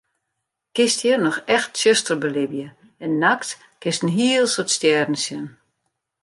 Kinst hjir noch echt tsjuster belibje en nachts kinst in hiel soad stjerren sjen.